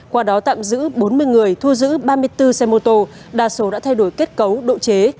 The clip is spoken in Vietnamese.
qua đó tạm giữ bốn mươi người thu giữ ba mươi bốn xe mô tô đa số đã thay đổi kết cấu độ chế